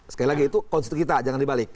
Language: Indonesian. sekali lagi itu konstitusi kita jangan dibalik